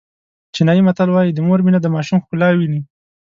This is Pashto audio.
چینایي متل وایي د مور مینه د ماشوم ښکلا ویني.